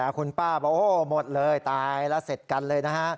คุณป้าบอกโอ้หมดเลยตายแล้วเสร็จกันเลยนะฮะ